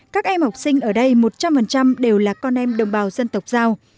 các em học sinh ở đây một trăm linh đều là con em đồng bào dân tộc giao